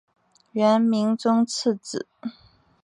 元明宗次子。